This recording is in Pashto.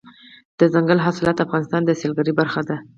دځنګل حاصلات د افغانستان د سیلګرۍ برخه ده.